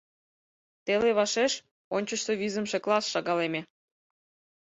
Теле вашеш ончычсо визымше класс шагалеме.